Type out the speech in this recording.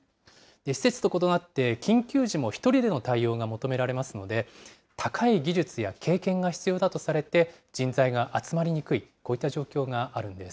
施設と異なって、緊急時も１人での対応が求められますので、高い技術や経験が必要だとされて、人材が集まりにくい、こういった状況があるんです。